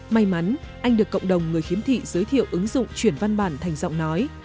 may mắn anh được cộng đồng người khiếm thị giới thiệu ứng dụng chuyển văn bản thành giọng nói